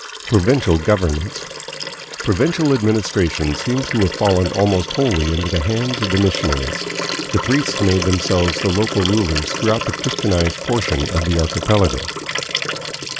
Provincial Governments. Provincial administration seems to have fallen almost wholly into the hands of the missionaries. The priests made themselves the local rulers throughout the Christianized portion of the archipelago.